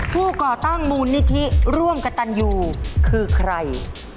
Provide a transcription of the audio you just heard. ผู้ก่อก่อตั้งมูลนิธีร่วมกับตันอยู่คือใคร